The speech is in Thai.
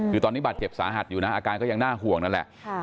คือตอนนี้บาดเจ็บสาหัสอยู่นะอาการก็ยังน่าห่วงนั่นแหละ